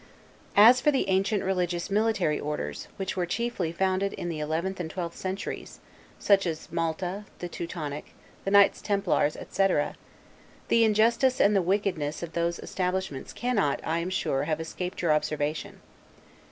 As for the ancient religious military orders, which were chiefly founded in the eleventh and twelfth centuries, such as Malta, the Teutonic, the Knights Templars, etc., the injustice and the wickedness of those establishments cannot, I am sure, have escaped your observation.